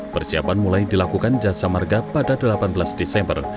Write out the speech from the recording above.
persiapan mulai dilakukan jasa marga pada delapan belas desember